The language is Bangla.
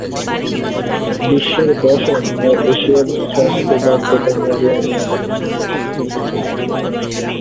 বিশ্বের দশম ও এশিয়ায় ষষ্ঠ ব্যস্ততম বিমানবন্দর এটি।